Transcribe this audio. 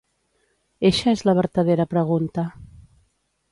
Eixa és la vertadera pregunta.